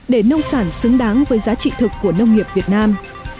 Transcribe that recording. để nông sản xứng đáng với giá trị thực của nông nghiệp việt nam